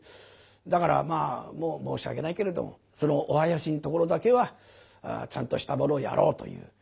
だからまあ申し訳ないけれどそのお囃子のところだけはちゃんとしたものをやろうという。